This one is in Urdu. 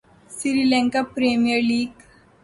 سری لنکا پریمئرلیگ